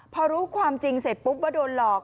พอรู้ความจริงเสร็จปุ๊บว่าโดนหลอก